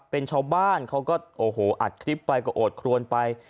เป็นชาวบ้านเขาก็อาจคลิปไปกระโอดคลวนไป